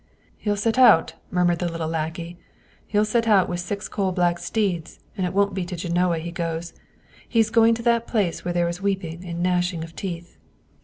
" He'll set out," murmured the little lackey ;" he'll set out with six coal black steeds, but it won't be to Genoa he goes. He's going to that place where there is weeping and gnashing of teeth."